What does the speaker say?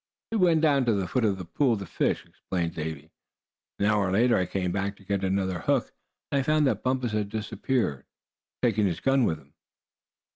"We went down to the foot of the pool to fish," explained Davy. "An hour later I came back to get another hook, and I found that Bumpus had disappeared, taking his gun with him."